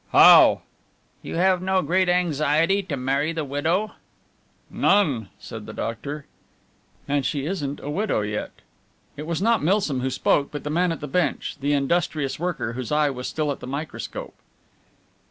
"How?" "You have no great anxiety to marry the widow?" "None," said the doctor. "And she isn't a widow yet." It was not Milsom who spoke, but the man at the bench, the industrious worker whose eye was still at the microscope.